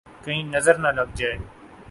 !کہیں نظر نہ لگ جائے